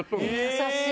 優しい！